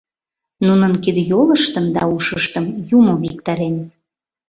Нунын кид-йолыштым да ушыштым Юмо виктарен.